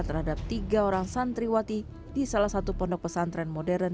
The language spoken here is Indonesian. terhadap tiga orang santriwati di salah satu pondok pesantren modern